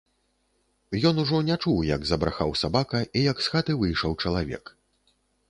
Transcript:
Ён ужо не чуў, як забрахаў сабака і як з хаты выйшаў чалавек.